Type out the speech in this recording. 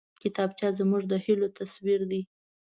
کتابچه زموږ د هيلو تصویر دی